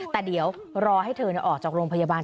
แต่เดี๋ยวรอให้เธอออกจากโรงพยาบาล